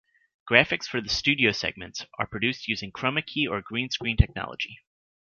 Graphics for the studio segments are produced using Chroma key or green screen technology.